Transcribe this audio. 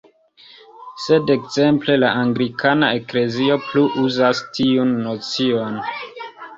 Sed ekzemple la anglikana eklezio plu uzas tiun nocion.